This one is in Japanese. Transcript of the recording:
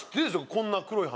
こんな黒い鼻